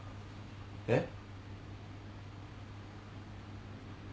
えっ？